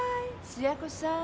つや子さーん。